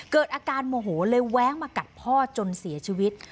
เกิดอาการโมโหเลยแว้งมากัดพ่อจนเสียชีวิต